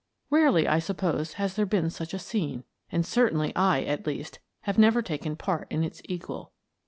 Rarely, I suppose, has there been such a scene, and certainly I, at least, have never taken part in its equal.